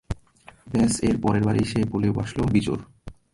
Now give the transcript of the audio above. ব্যস এর পরের বারেই সে বলে বাসল, বিজোড়।